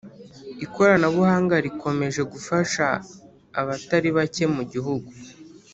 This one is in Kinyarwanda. Ikoranabuhanga rikomeje gufasha aba taribacye mu gihugu